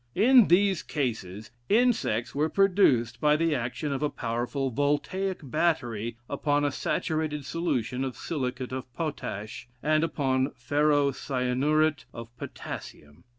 In these cases, insects were produced by the action of a powerful voltaic battery upon a saturated solution of silicate of potash, and upon ferro cyanuret of potassium.